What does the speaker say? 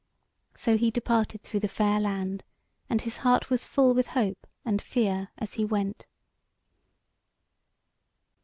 So he departed through the fair land, and his heart was full with hope and fear as he went.